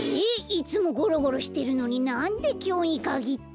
いつもゴロゴロしてるのになんできょうにかぎって。